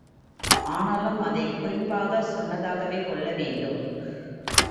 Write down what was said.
ஆனாலும் அதைக் குறிப்பாகச் சொன்னதாகவே கொள்ள வேண்டும்.